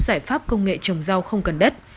giải pháp công nghệ trồng rau không cần đất